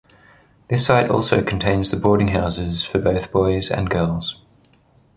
This site also contains the boarding houses for both boys and girls.